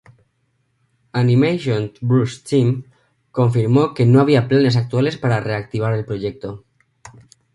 Animation Bruce Timm confirmó que no había planes actuales para reactivar el proyecto.